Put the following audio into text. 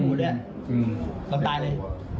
เราตายเลย